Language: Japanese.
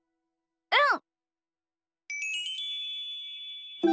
うん！